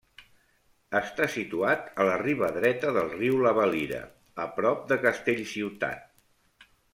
Està situat a la riba dreta del riu la Valira, a prop de Castellciutat.